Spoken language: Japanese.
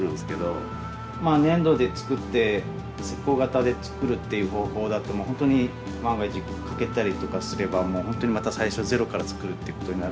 粘土で作って石こう型で作るっていう方法だともう本当に万が一欠けたりとかすれば本当にまた最初ゼロから作るってことになるのが。